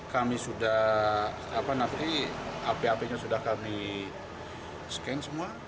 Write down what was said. kami sudah apa nanti api apinya sudah kami scan semua